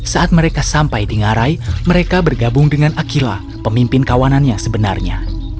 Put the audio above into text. saat mereka sampai di ngarai mereka bergabung dengan akilah pemimpin kawanan yang sebenarnya